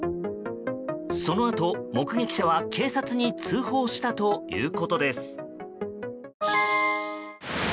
そのあと、目撃者は警察に通報したということです。